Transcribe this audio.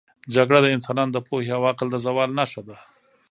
جګړه د انسانانو د پوهې او عقل د زوال نښه ده.